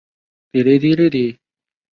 雷凌科技公司晶片组。